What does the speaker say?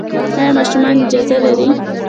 ایا ماشومان اجازه لري؟